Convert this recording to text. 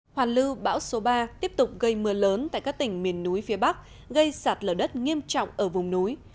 hoàn lưu bão số ba tiếp tục gây mưa lớn tại các tỉnh miền núi phía bắc gây sạt lở đất nghiêm trọng ở vùng núi